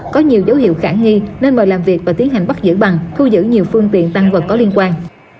có nhiều dấu hiệu khả nghi nên mời làm việc và tiến hành bắt giữ bằng thu giữ nhiều phương tiện tăng vật có liên quan